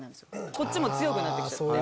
こっちも強くなってきちゃって。